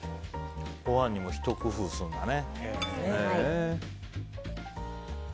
ご飯にもひと工夫するんだね。